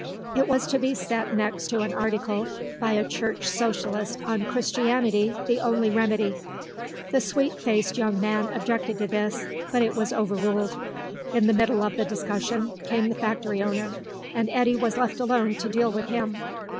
It was to be set next to an article by a Church Socialist on Christianity the Only Remedy. The sweet faced young man objected to this, but was over ruled. In the middle of the discussion came the factory owner, and Eddy was left alone to deal with him.